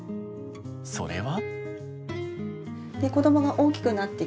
それは？